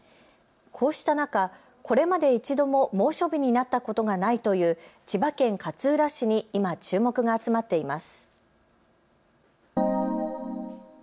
こうした中、これまで一度も猛暑日になったことがないという千葉県勝浦市に今、注目が集まっています。